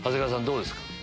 どうですか？